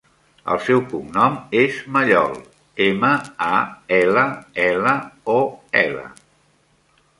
El seu cognom és Mallol: ema, a, ela, ela, o, ela.